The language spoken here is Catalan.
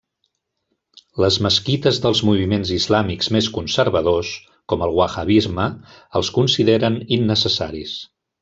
Les mesquites dels moviments islàmics més conservadors com el wahhabisme els consideren innecessaris.